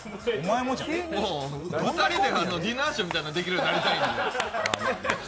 ２人でディナーショーみたいなのできるようになりたい。